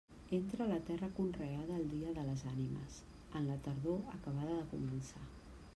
Entra a la terra conreada el dia de les Ànimes, en la tardor acabada de començar.